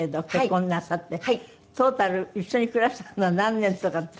トータル一緒に暮らしたのは何年とかって。